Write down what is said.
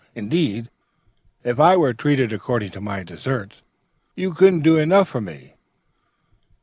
Indeed, if I were treated according to my deserts, you couldn't do enough for me.'